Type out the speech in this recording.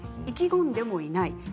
意気込んでもいない。